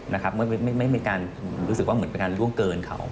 ไม่มีการรู้สึกว่าเหมือนเป็นการล่วงเกินเขา